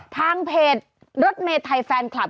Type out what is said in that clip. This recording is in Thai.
ทางเพจรถเมไทยแฟนคลับ